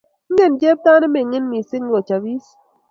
Ingen chepto ne mining mising ko chopis